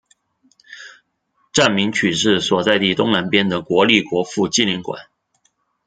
站名取自所在地东南边的国立国父纪念馆。